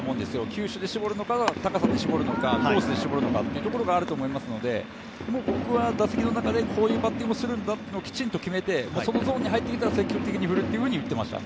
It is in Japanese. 球種で絞るのか、高さで絞るのか、コースで絞るのかというところがあると思いますので僕は打席の中でこういうバッティングをするんだときちんと決めて、そのゾーンに入ってきたら、積極的に振るというふうに言っていました。